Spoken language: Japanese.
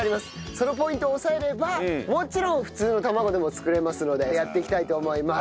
そのポイントを押さえればもちろん普通の卵でも作れますのでやっていきたいと思います。